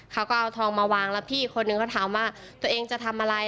เขาก็เอาทองมาวางแล้วพี่อีกคนนึงเขาถามว่าตัวเองจะทำอะไร